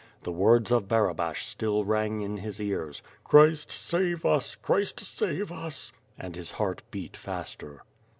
The words of Barabash still rang in his ears: "Christ save us! Christ save us!" and his heart beat faster.